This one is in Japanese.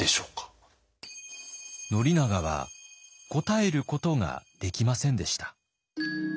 宣長は答えることができませんでした。